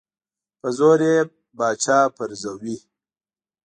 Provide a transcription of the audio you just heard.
په زور یې پاچا پرزوي.